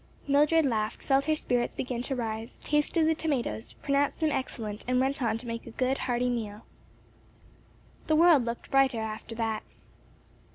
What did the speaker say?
Mildred laughed, felt her spirits begin to rise, tasted the tomatoes, pronounced them excellent and went on to make a good hearty meal. The world looked brighter after that.